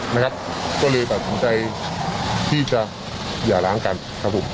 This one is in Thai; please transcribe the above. นะครับก็เลยตัดสินใจที่จะหย่าล้างกันครับผม